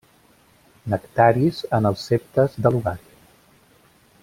Nectaris en els septes de l'ovari.